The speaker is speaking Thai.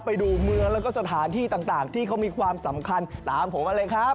ไปดูเมืองแล้วก็สถานที่ต่างที่เขามีความสำคัญตามผมมาเลยครับ